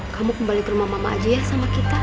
kamu kembali ke rumah mama aja ya sama kita